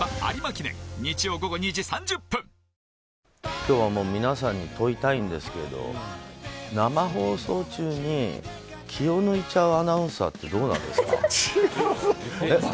今日も皆さんに問いたいんですけど生放送中に気を抜いちゃうアナウンサーってまさか。